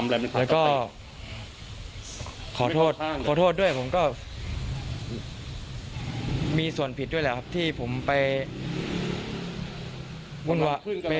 และก็ขอโทษด้วยผมก็มีส่วนผิดด้วยแหละครับที่ผมไปบุญวะ